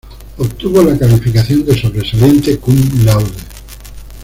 Obtuvo la calificación de sobresaliente cum laude.